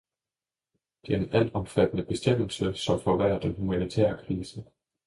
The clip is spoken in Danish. Det er en altomfattende bestemmelse, som forværrer den humanitære krise.